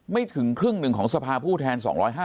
ถึงครึ่งหนึ่งของสภาผู้แทน๒๕๐